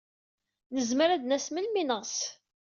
Nezmer ad d-nas melmi ay neɣs.